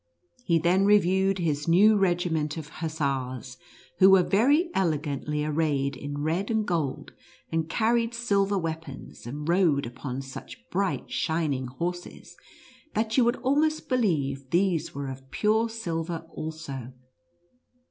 He then reviewed his new regiment of hussars, who were very elegantly arrayed in red and gold, and carried silver weapons, and rode upon ISTUTCEACKER AND MOUSE KING. 13 such bright shining horses, that yon would almost believe these were of pure silver also.